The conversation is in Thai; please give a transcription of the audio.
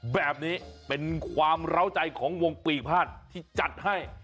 แบบนี้เป็นความเล้าใจของวงปีภาษณ์ที่จัดให้